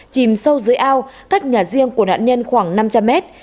chìm sâu dưới ao cách nhà riêng của nạn nhân khoảng năm trăm linh mét